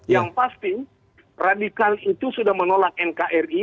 yang pasti radikal itu sudah menolak nkri